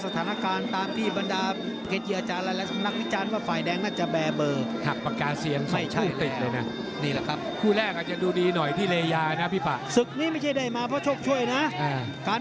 สถานกาศตามที่บรรดาเกดเยียดฯระละกับนักวิจารณ์ว่า